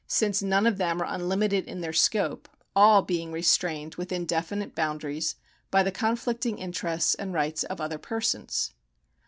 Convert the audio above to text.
214 THE KINDS OF LEGAL RIGHTS [§ 83 none of them are unlimited in their scope, all being restrained within definite boundaries by the conflicting interests and rights of other persons.